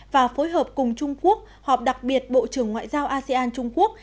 và phối hợp cùng trung quốc họp đặc biệt bộ trưởng ngoại giao asean trung quốc